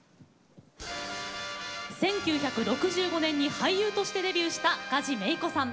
１９６５年に俳優としてデビューした梶芽衣子さん。